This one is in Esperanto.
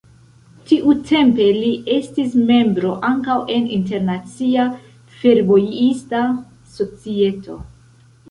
Tiutempe li estis membro ankaŭ en internacia fervojista societo.